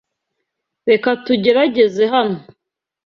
Reka tugerageze hano.